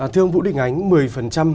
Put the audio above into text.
thưa ông vũ định ánh